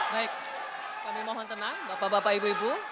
baik kami mohon tenang bapak bapak ibu ibu